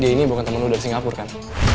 dia ini bukan temen lu dari singapura kan